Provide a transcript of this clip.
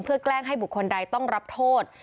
แกล้งให้บุคคลใดต้องรับโทษ